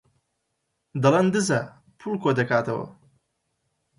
دەڵێن دزە، پووڵ کۆدەکاتەوە.